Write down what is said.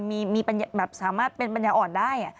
มีแบบสามารถเป็นปัญญาอ่อนได้